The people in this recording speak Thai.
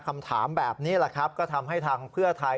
คำถามแบบนี้ก็ทำให้ทางเพื่อไทย